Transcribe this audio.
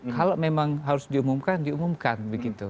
kalau memang harus diumumkan diumumkan begitu